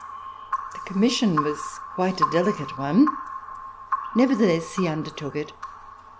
The commission was quite a delicate one, nevertheless he undertook it.